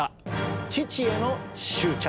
「父への執着」。